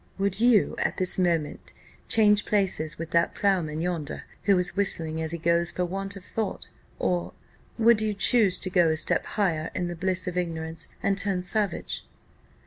Would you, at this instant, change places with that ploughman yonder, who is whistling as he goes for want of thought? or, would you choose to go a step higher in the bliss of ignorance, and turn savage?"